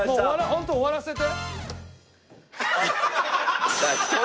ホント終わらせて。